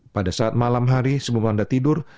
pada saat malam hari sebelum anda tidur